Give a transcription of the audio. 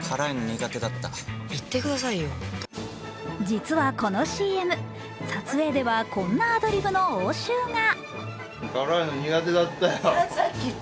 実は、このＣＭ、撮影ではこんなアドリブの応酬が。